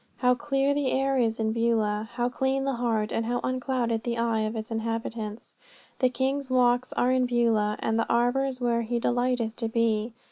How clear the air is in Beulah, how clean the heart and how unclouded the eye of its inhabitants! The King's walks are in Beulah, and the arbours where He delighteth to be.